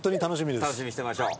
楽しみにしてましょう。